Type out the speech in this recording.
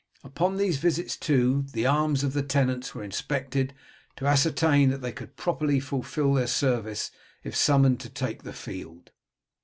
Upon these visits, too, the arms of the tenants were inspected to ascertain that they could properly fulfil their service if summoned to take the field.